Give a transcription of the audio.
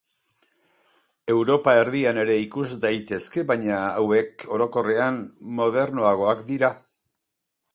Europa erdian ere ikus daitezke baina hauek, orokorrean, modernoagoak dira.